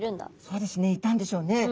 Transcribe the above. そうですねいたんでしょうね。